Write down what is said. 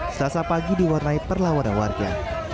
selasa pagi diwarnai perlawanan warga